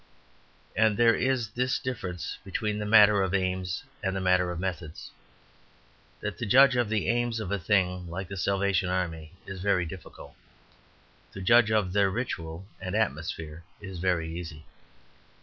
And there is this difference between the matter of aims and the matter of methods, that to judge of the aims of a thing like the Salvation Army is very difficult, to judge of their ritual and atmosphere very easy.